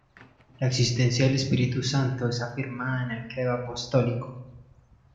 La existencia del Espíritu Santo es afirmada en el Credo Apostólico.